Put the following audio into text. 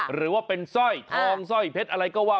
หรือว่าเป็นสร้อยทองสร้อยเพชรอะไรก็ว่า